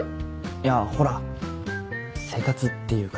いやほら生活っていうか。